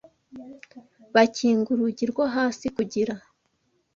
bakinga urugi rwo hasi kugira